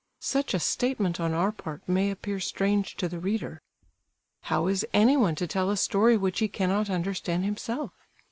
Such a statement on our part may appear strange to the reader. How is anyone to tell a story which he cannot understand himself?